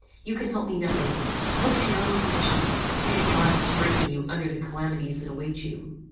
You can help me nothing. Look to your own condition, and pray to God to strengthen you under the calamities that await you."